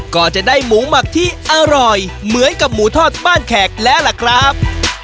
ก็จะได้หมูหมักที่อร่อยเหมือนกับหมูทอดบ้านแขกแล้วล่ะครับ